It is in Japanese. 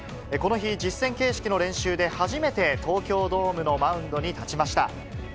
この日、実戦形式の練習で、初めて東京ドームのマウンドに立ちました。